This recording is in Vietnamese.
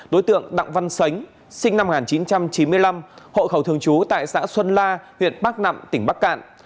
đối tượng đặng văn sánh sinh năm một nghìn chín trăm chín mươi năm hộ khẩu thường trú tại xã xuân la huyện bắc nẵm tỉnh bắc cạn